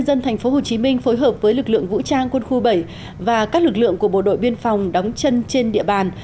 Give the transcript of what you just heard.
để đề phòng đóng chân trên địa bàn